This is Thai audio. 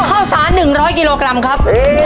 ข้าวสาร๑๐๐กิโลกรัมครับ